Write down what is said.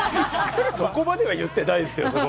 そこまでは言ってないですよ？